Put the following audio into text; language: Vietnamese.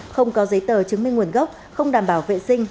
không có giấy tờ chứng minh nguồn gốc không đảm bảo vệ sinh